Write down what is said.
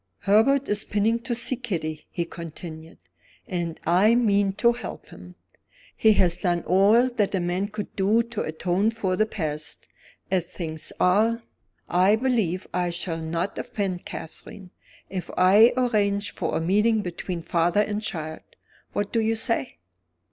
"Herbert is pining to see Kitty," he continued; "and I mean to help him. He has done all that a man could do to atone for the past. As things are, I believe I shall not offend Catherine, if I arrange for a meeting between father and child. What do you say?"